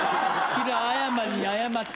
平謝りに謝って。